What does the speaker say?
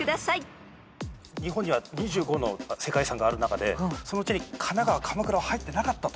日本には２５の世界遺産がある中でそのうちに神奈川鎌倉は入ってなかったと思うんです。